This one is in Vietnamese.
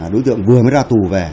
đối tượng vừa mới ra tù về